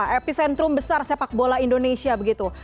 epicentrum besar sepak bola indonesia begitu